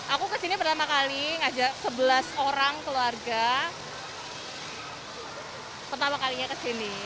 aku kesini pertama kali ngajak sebelas orang keluarga pertama kalinya kesini